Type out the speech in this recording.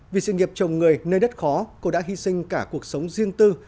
vì sự nghiệp chồng người nơi đất khó cô đã hy sinh cả cuộc sống riêng tư